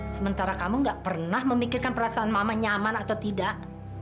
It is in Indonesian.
sementara kamu gak pernah memikirkan perasaan mama nyaman atau tidak